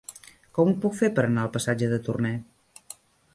Com ho puc fer per anar al passatge de Torné?